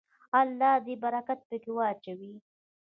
الله دې برکت پکې واچوي.